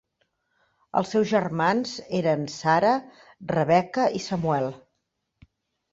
Els seus germans eren Sara, Rebecca i Samuel.